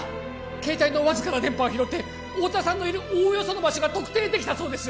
携帯のわずかな電波を拾って太田さんのいるおおよその場所が特定できたそうです